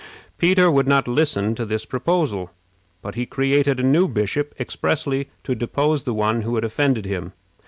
Peter would not listen to this proposal; but he created a new bishop expressly to depose the one who had offended him.